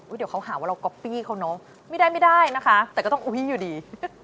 เดี๋ยวเขาหาว่าเราก๊อปปี้เขาเนอะไม่ได้ไม่ได้นะคะแต่ก็ต้องอุ้ยอยู่ดี